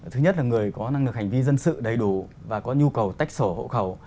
thứ nhất là người có năng lực hành vi dân sự đầy đủ và có nhu cầu tách sổ hộ khẩu